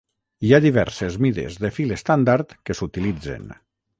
Hi ha diverses mides de fil estàndard que s'utilitzen.